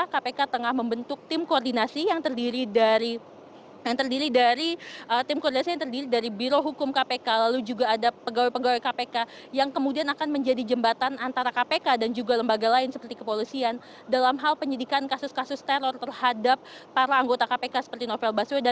kpk tengah membentuk tim koordinasi yang terdiri dari tim koordinasi yang terdiri dari birohukum kpk lalu juga ada pegawai pegawai kpk yang kemudian akan menjadi jembatan antara kpk dan juga lembaga lain seperti kepolisian dalam hal penyidikan kasus kasus teror terhadap para anggota kpk seperti novel baswedan